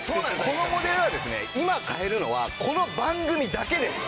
このモデルはですね今買えるのはこの番組だけです。